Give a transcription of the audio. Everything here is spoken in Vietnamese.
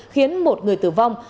khiến một người tử vong